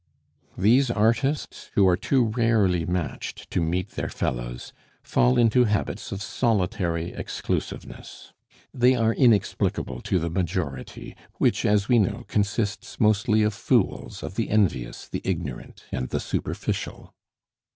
These artists, who are too rarely matched to meet their fellows, fall into habits of solitary exclusiveness; they are inexplicable to the majority, which, as we know, consists mostly of fools of the envious, the ignorant, and the superficial.